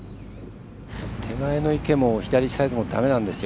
手前の池も左サイドもだめなんですよ。